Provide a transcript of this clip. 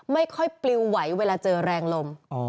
ไม่ค่อยปลิวไหวเวลาเจอแรงลม